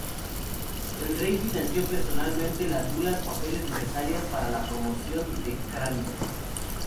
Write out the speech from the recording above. El rey financió personalmente las bulas papales necesarias para la promoción de Cranmer.